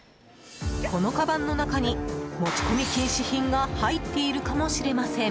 このかばんの中に持ち込み禁止品が入っているかもしれません。